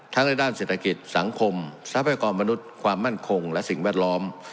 ในด้านเศรษฐกิจสังคมทรัพยากรมนุษย์ความมั่นคงและสิ่งแวดล้อม